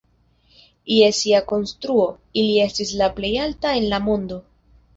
Je sia konstruo, ili estis la plej altaj en la mondo.